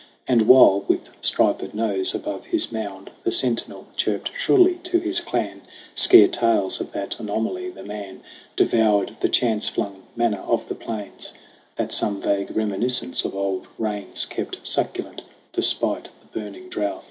And while, with striped nose above his mound, The sentinel chirped shrilly to his clan Scare tales of that anomaly, the man Devoured the chance flung manna of the plains That some vague reminiscence of old rains Kept succulent, despite the burning drouth.